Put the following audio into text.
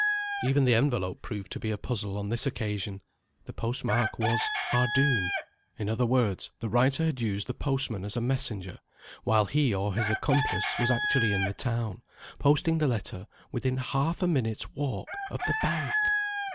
Even the envelope proved to be a Puzzle on this occasion; the postmark was "Ardoon." In other words, the writer had used the postman as a messenger, while he or his accomplice was actually in the town, posting the letter within half a minute's walk of the bank!